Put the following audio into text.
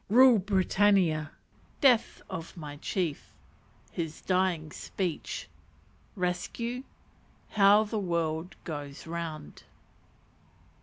Rule, Britannia. Death of my Chief. His Dying Speech. Rescue. How the World goes round.